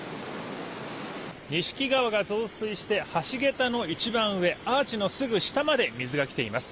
錦川が増水して橋げたの一番上アーチのすぐ下まで水が来ています。